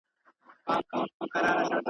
بیا هم هیڅکله مه ناهیلی کېږه